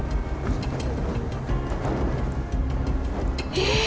えっ！